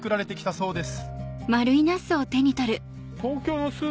そうです。